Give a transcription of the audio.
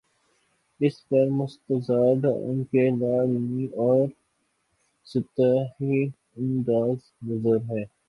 اس پر مستزاد ان کی لا علمی اور سطحی انداز نظر ہے۔